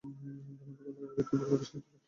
তোমার একাকীত্ব দূর করতে সাহায্য করতে দেবে?